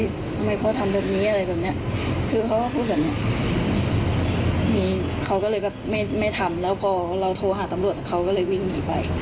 ทำไมพ่อทำแบบนี้อะไรแบบเนี้ยคือเขาก็พูดแบบเนี้ยมีเขาก็เลยแบบไม่ไม่ทำแล้วพอเราโทรหาตำรวจเขาก็เลยวิ่งหนีไป